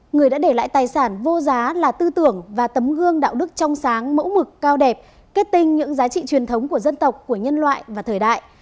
người đã để lại tài sản vô giá là tư tưởng và tấm gương đạo đức trong sáng mẫu mực cao đẹp kết tinh những giá trị truyền thống của dân tộc của nhân loại và thời đại